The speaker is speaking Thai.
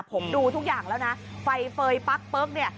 ผมดูทุกอย่างแล้วนะไฟเฟย์ปั๊กเนี่ย